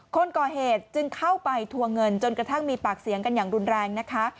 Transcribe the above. คนก่อเหตุจึงเข้าไปทวงเงินจนกระทั่งมีปากเสียงกันอย่างรุนแรงนะคะ